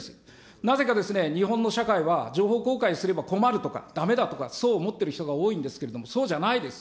なぜか、日本の社会は情報公開すれば困るとか、だめだとか、そう思ってる人が多いんですけれども、そうじゃないです。